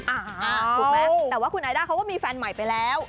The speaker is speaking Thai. ถูกไหมแต่ว่าคุณไอด้าเขาก็มีแฟนใหม่ไปแล้ว